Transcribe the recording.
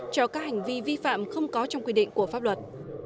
cho các hành vi vi phạm không có trong quy định của pháp luật